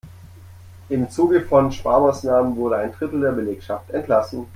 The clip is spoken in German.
Im Zuge von Sparmaßnahmen wurde ein Drittel der Belegschaft entlassen.